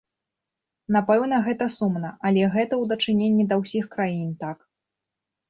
Напэўна, гэта сумна, але гэта ў дачыненні да ўсіх краін так.